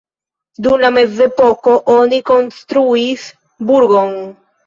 Dum la mezepoko oni konstruis burgon.